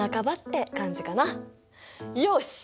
よし！